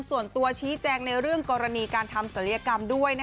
ส่วนตัวชี้แจงในเรื่องกรณีการทำศัลยกรรมด้วย